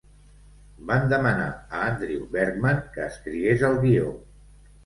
Van demanar a Andrew Bergman que escrigués el guió.